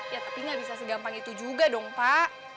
ya tapi nggak bisa segampang itu juga dong pak